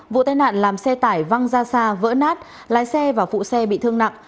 vụ tai nạn làm xe tải văng ra xa vỡ nát lái xe và phụ xe bị thương nặng